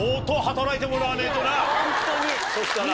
そしたら。